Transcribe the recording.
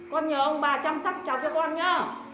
con nhờ ông bà chăm sác chào cho con nhá